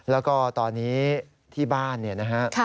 แล้วก็ตอนนี้ที่บ้านเนี่ยนะฮะ